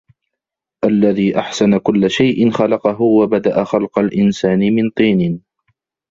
الَّذي أَحسَنَ كُلَّ شَيءٍ خَلَقَهُ وَبَدَأَ خَلقَ الإِنسانِ مِن طينٍ